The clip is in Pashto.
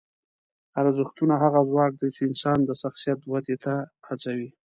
ارزښتونه هغه ځواک دی چې انسان د شخصیت ودې ته هڅوي.